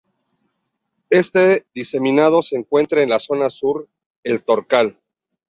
Este diseminado se encuentra en la zona sur de El Torcal.